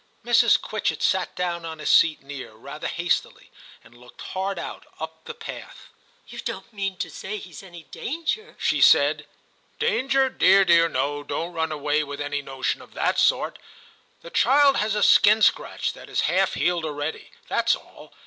Mrs. Quitchett sat down on a seat near, rather hastily, and looked hard out, up the path. * You don't mean to say he's in any danger?* she said. ' Danger, dear, dear, no ! Don't run away with any notion of that sort. The child has a skin scratch that is half healed already ; that's all.